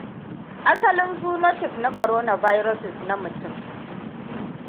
Asalin zoonotic na coronaviruses na mutum